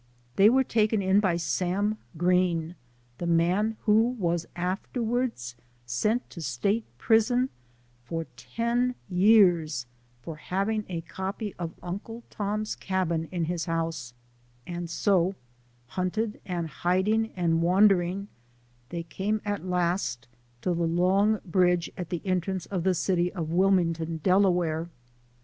They were taken in by Sana Green, the man who was afterwards sent to State Prison for ten years for having a copy of " Uncle Tom's Cabin " in his house ; and so, hunted and hiding and wandering, they came at last to the long bridge at the entrance of the city of Wil mington, Delaware.